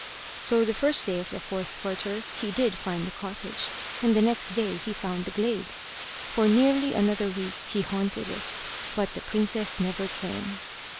So the first day of the fourth quarter he did find the cottage, and the next day he found the glade. For nearly another week he haunted it. But the princess never came.